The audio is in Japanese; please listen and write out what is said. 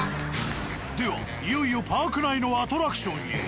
ではいよいよパーク内のアトラクションへ。